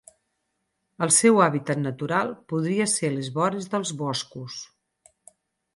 El seu hàbitat natural podria ser les vores dels boscos.